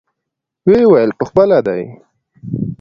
ويې ويل پخپله دى.